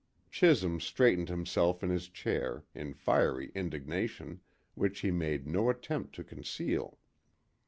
Chisholm straightened himself in his chair, in fiery indignation, which he made no attempt to conceal.